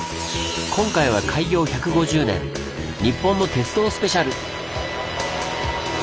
今回は「開業１５０年日本の鉄道スペシャル」！